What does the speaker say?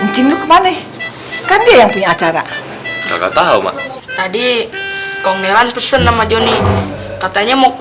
cindu kemana kan dia yang punya acara tak tahu tadi kong nelan pesen nama joni katanya mau ke